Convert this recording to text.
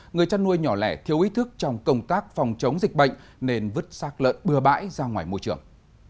người chăn nuôi nhỏ lẻ thiếu ý thức trong công tác phòng chống dịch bệnh nên vứt sác lợn bừa bãi ra ngoài môi trường